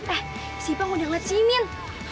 eh si bang udah ngeliat si imin